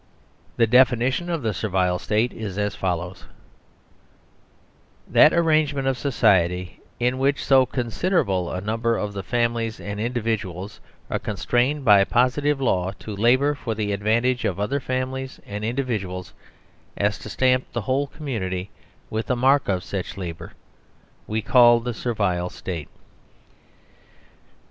The definition of the Servile State is as follows: " That arrangement of society in which so consider able a number of the families and individuals are con strained by positive law to labour for the advantage of other families and individuals as to stamp the whole community with the mark of such labour we call THE SERVILE STATE."